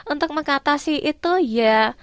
untuk mengatasi itu ya